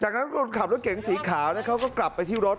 จากนั้นคนขับรถเก๋งสีขาวเขาก็กลับไปที่รถ